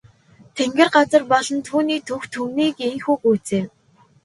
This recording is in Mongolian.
Тэнгэр газар болон түүний түг түмнийг ийнхүү гүйцээв.